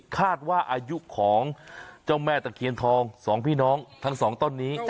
คาดว่าอายุของเจ้าแม่ตะเคียนทองสองพี่น้องทั้งสองต้นนี้